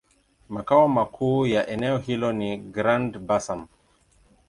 Makao makuu ya eneo hilo ni Grand-Bassam.